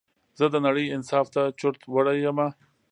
زه د نړۍ انصاف ته چورت وړى يمه